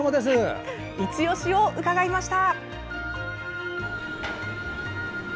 いちオシを伺いました。